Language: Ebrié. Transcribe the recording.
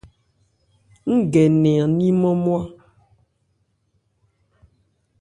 Ń gɛ nnɛn an ní nmwá-nmwá.